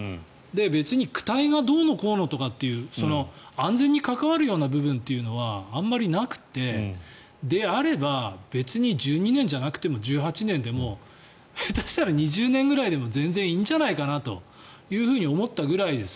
別に躯体がどうのこうのとかって安全に関わるような部分はあんまりなくてであれば別に１２年じゃなくても１８年でも下手したら２０年ぐらいでも全然いいんじゃないかと思ったぐらいです。